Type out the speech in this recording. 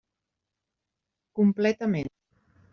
Completament.